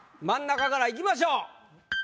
真ん中からいきましょう。